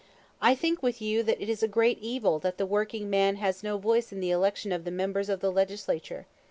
I think with you that it is a great evil that the working man has no voice in the election of the members of the Legislature.